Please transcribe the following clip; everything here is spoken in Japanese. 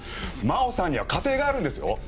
真帆さんには家庭があるんですよ？